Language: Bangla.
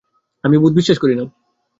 আমি ভূত বিশ্বাস করি না।